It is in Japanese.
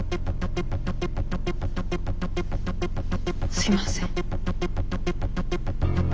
すいません。